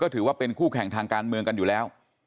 ถือว่าเป็นคู่แข่งทางการเมืองกันอยู่แล้ว